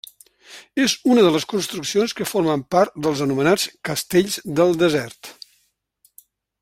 És una de les construccions que formen part dels anomenats castells del desert.